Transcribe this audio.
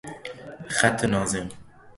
خط ناظم